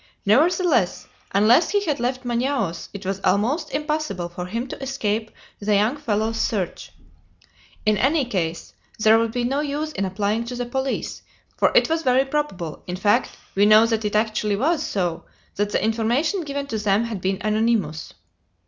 Nevertheless, unless he had left Manaos, it was almost impossible for him to escape the young fellows' search. In any case, there would be no use in applying to the police, for it was very probable in fact, we know that it actually was so that the information given to them had been anonymous.